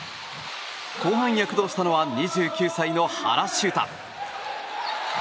後半、躍動したのは２９歳の原修太。